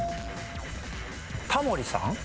タモリさん？